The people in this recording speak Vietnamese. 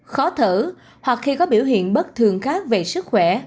khó thở hoặc khi có biểu hiện bất thường khác về sức khỏe